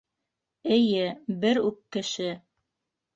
Эйе, бер үк кеше.